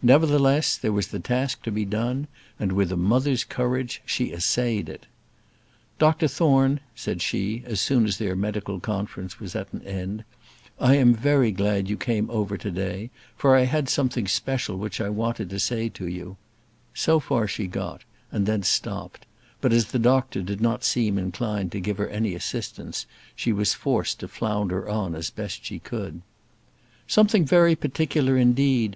Nevertheless, there was the task to be done, and with a mother's courage she essayed it. "Dr Thorne," said she, as soon as their medical conference was at an end, "I am very glad you came over to day, for I had something special which I wanted to say to you:" so far she got, and then stopped; but, as the doctor did not seem inclined to give her any assistance, she was forced to flounder on as best she could. "Something very particular indeed.